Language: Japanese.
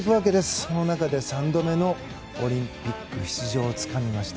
その中で３度目のオリンピック出場をつかみました。